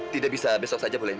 tidak bisa besok saja bu lenny